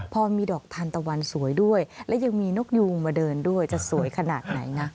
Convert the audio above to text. พอมีดอกทานตะวันสวยด้วยและยังมีนกยูงมาเดินด้วยจะสวยขนาดไหนนะ